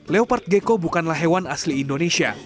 leopard gecko bukanlah hewan asli indonesia